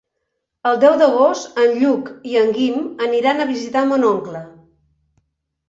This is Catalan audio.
El deu d'agost en Lluc i en Guim aniran a visitar mon oncle.